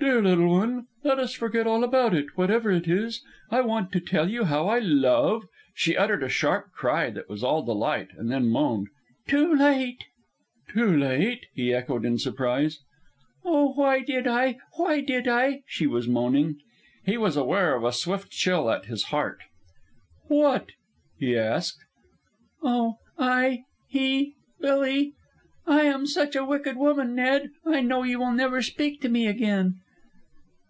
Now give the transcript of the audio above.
"Dear little one, let us forget all about it, whatever it is. I want to tell you how I love " She uttered a sharp cry that was all delight, and then moaned "Too late!" "Too late?" he echoed in surprise. "Oh, why did I? Why did I?" she was moaning. He was aware of a swift chill at his heart. "What?" he asked. "Oh, I... he... Billy. "I am such a wicked woman, Ned. I know you will never speak to me again."